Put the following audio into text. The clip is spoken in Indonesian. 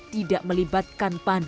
tidak melibatkan pan